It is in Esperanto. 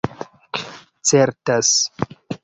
certas